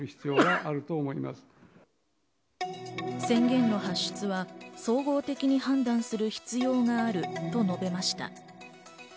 宣言の発出は総合的に判断する必要があると述べました。